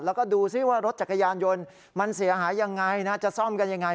แล้วก็ดูซิว่ารถจักรยานยนต์มันเสียหายยังไงนะจะซ่อมกันยังไง